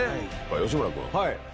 吉村君。